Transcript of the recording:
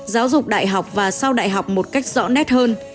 giáo dục đại học và sau đại học một cách rõ nét hơn